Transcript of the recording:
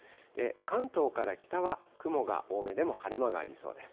関東から北は雲が多めでも晴れ間がありそうです。